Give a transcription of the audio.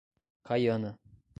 Caiana